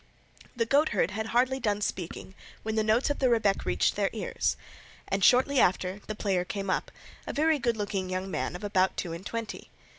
The goatherd had hardly done speaking, when the notes of the rebeck reached their ears; and shortly after, the player came up, a very good looking young man of about two and twenty.